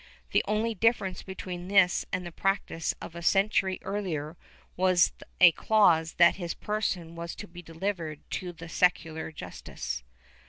The only difference between this and the practice of a century earlier, was a clause that his person was to be delivered to the secular justice.